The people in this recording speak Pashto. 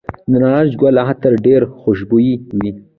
د نارنج ګل عطر ډیر خوشبويه وي.